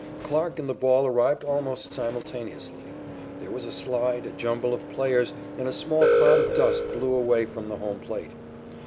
Clarke and the ball arrived almost simultaneously. There was a slide, a jumble of players, and a small cloud of dust blew away from the home plate.